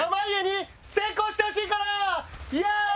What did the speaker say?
イエーイ！